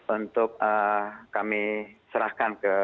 untuk kami serahkan ke